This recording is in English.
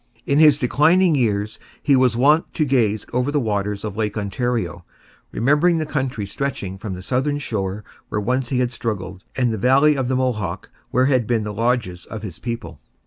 In his declining years he was wont to gaze over the waters of Lake Ontario, remembering the country stretching from the southern shore where once he had struggled, and the valley of the Mohawk, where had been the lodges of his people.